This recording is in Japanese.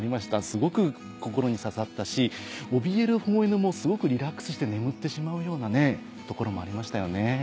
すごく心に刺さったしおびえる保護犬もすごくリラックスして眠ってしまうようなところもありましたよね。